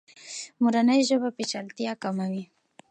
مورنۍ ژبه پیچلتیا کموي.